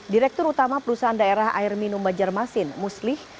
direktur utama perusahaan daerah air minum banjarmasin muslih